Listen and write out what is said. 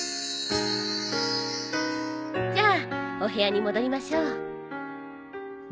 じゃあお部屋に戻りましょう。